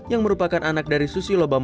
yang merupakan anak dari susilo bambang